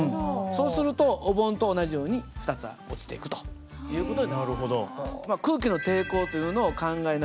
そうするとお盆と同じように２つ落ちていくという事になります。